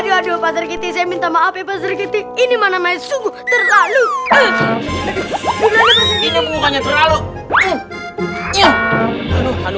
ini pasti tidak payah duduk duduk di sini mau piknik kalau ketiduran